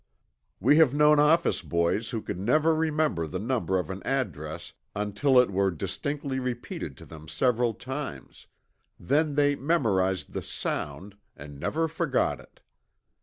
We have known office boys who could never remember the number of an address until it were distinctly repeated to them several times then they memorized the sound and never forget it.